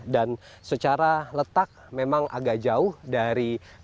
dan secara letak memang agak jauh dari kawasan